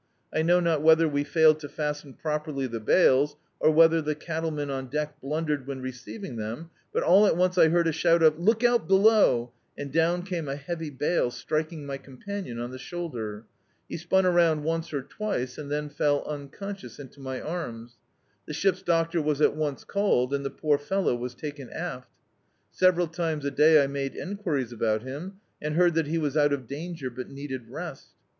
I know not whether we failed to fasten properly the bales, or whether the cattlemen on dedc blundered when receiving them, but all at once I heard a shout of — 'Look out, below !' and down came a heavy bale, strikii^ my companion on the shoulder. He spun around once or twice, and then fell unconscious into my arms. The ship's doctor was at once called, and the poor fellow was taken aft. Several times a day Z made enquiries about him, and heard that he was out of danger, but needed rest.